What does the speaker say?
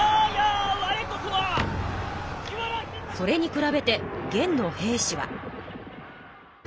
それに比べて元の兵士は。